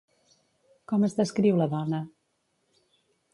Com es descriu la dona?